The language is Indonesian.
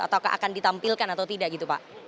atau akan ditampilkan atau tidak gitu pak